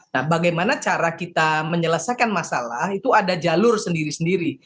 nah bagaimana cara kita menyelesaikan masalah itu ada jalur sendiri sendiri